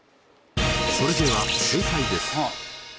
それでは正解です。